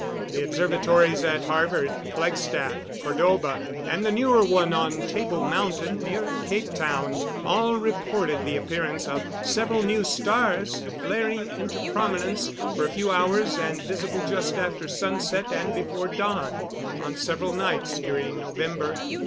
The observatories at Harvard, Flagstaff, Cordoba, and the newer one on Table Mountain, near Cape Town, all reported the appearance of several new stars, flaring into prominence for a few hours and visible just after sunset and before dawn, on several nights during November.